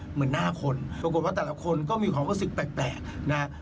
เหมือนหน้าคนปรากฏว่าแต่ละคนก็มีความรู้สึกแปลกนะฮะ